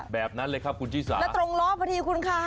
แบบนั้นเลยครับคุณชิสาแล้วตรงล้อพอดีคุณค่ะ